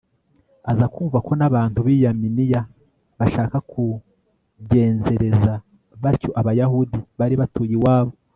aza kumva ko n'abantu b'i yaminiya bashaka kugenzereza batyo abayahudi bari batuye iwabo